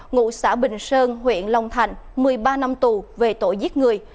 ngụ xã bình sơn huyện long thành một mươi ba năm tù về tội giết người